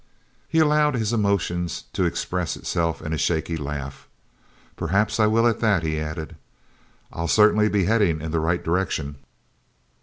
He allowed his emotion to express itself in a shaky laugh. "Perhaps I will at that," he added: "I'll certainly be heading in the right direction."